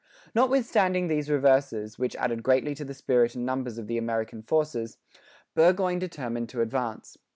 Notwithstanding these reverses, which added greatly to the spirit and numbers of the American forces, Burgoyne determined to advance.